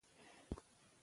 په ادب یې روښانه وساتئ.